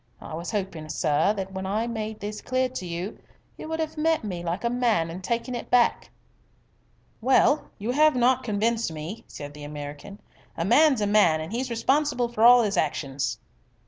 I was hoping, sir, that when I made this clear to you, you would have met me like a man and taken it back." "Well, you have not convinced me," said the American. "A man's a man, and he's responsible for all his actions."